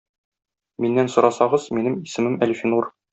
Миннән сорасагыз, минем исемем Әлфинур.